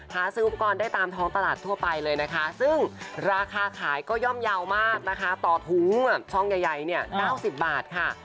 หาซื้ออุปกรณ์ได้ตามท้องตลาดทั่วไปเลยนะคะซึ่งราคาขายก็ย่อมเยาวมากนะคะต่อถุงช่องใหญ่เนี่ย๙๐บาทค่ะ